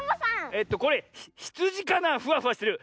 えっとこれひつじかなフワフワしてる。